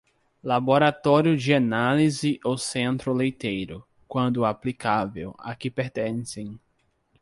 Laboratório de análise ou centro leiteiro, quando aplicável, a que pertencem.